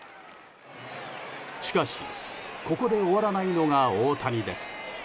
しかしここで終わらないのが大谷です。